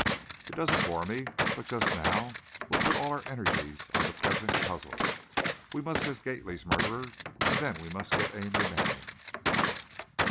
"It doesn't bore me, but just now we'll put all our energies on the present puzzle. We must get Gately's murderer, and then we must get Amory Manning."